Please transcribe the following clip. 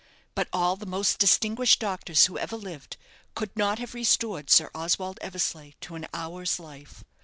But all the most distinguished doctors who ever lived could not have restored Sir Oswald Eversleigh to an hour's life.